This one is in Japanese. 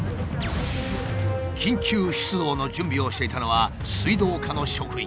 緊急出動の準備をしていたのは水道課の職員。